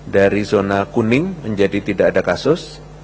dari zona kuning menjadi tidak ada kasus